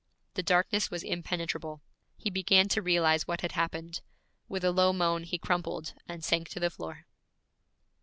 The darkness was impenetrable. He began to realize what had happened. With a low moan he crumpled and sank to the floor.